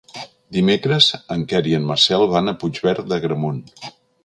Dimecres en Quer i en Marcel van a Puigverd d'Agramunt.